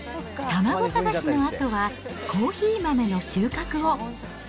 卵探しのあとは、コーヒー豆の収穫を。